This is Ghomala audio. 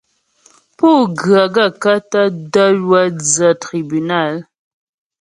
Pú ghə́ gaə̂kə́ tə də̀ wə́ dzə́ tribúnal ?